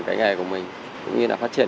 cái nghề của mình cũng như là phát triển